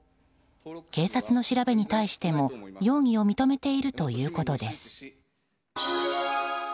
警察の調べに対しても容疑を認めているということです。